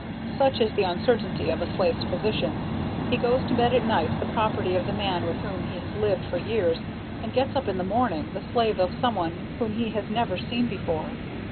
Such is the uncertainty of a slave's position. He goes to bed at night the property of the man with whom he has lived for years, and gets up in the morning the slave of some one whom he has never seen before!